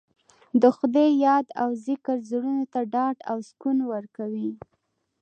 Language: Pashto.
د خدای یاد او ذکر زړونو ته ډاډ او سکون ورکوي.